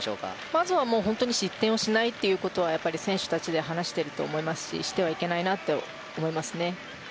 まずは本当に失点をしないというのは選手たちで話していると思いますししてはいけないなと思いますね。